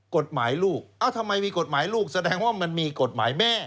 กฎหมายลูกเอ้าทำไมมีกฎหมายลูกแสดงว่ามันมีกฎหมายแม่